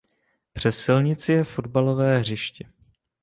Přes silnici je fotbalové hřiště.